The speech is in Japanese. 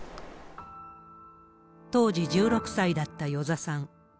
当時１６歳だった與座さん。